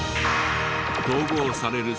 統合される